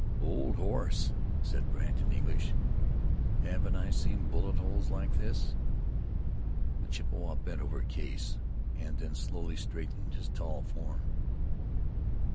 "Old Horse," said Brandt in English. "Haven't I seen bullet holes like this?" The Chippewa bent over Case, and then slowly straightened his tall form.